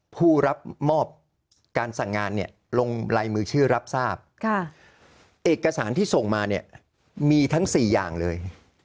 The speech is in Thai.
ผู้รับมอบการสั่งงานเนี่ยลงลายมือชื่อรับทราบเอกสารที่ส่งมาเนี่ยมีทั้ง๔อย่างเลย